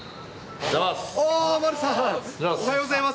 おはようございます。